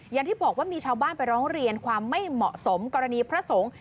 อย่างที่บอกว่ามีชาวบ้านไปร้องเรียนความไม่เหมาะสมกรณีพระสงฆ์